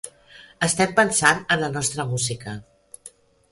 Estem pensant en la nostra música.